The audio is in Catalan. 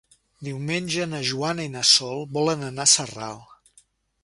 Diumenge na Joana i na Sol volen anar a Sarral.